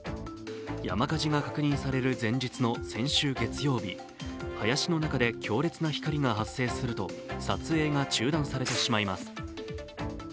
山火事が確認される前日の先週月曜日、林の中で強烈な光が発生すると撮影が中断されてしまいます。